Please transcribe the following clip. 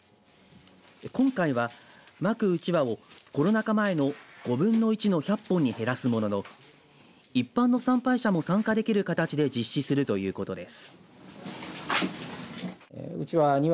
今回はまくうちわをコロナ禍前の５分の１の１００本に減らすものの一般の参拝者も参加できる形で実施するということです。